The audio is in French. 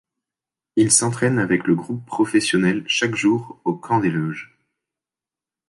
Il s'entraîne avec le groupe professionnel chaque jour au Camp des Loges.